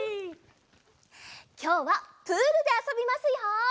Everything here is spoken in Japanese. きょうはプールであそびますよ！